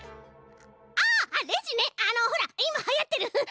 あのほらいまはやってる。